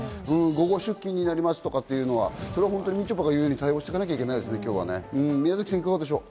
午後出勤になりますとか、みちょぱが言うように対応していかなきゃいけないですよね。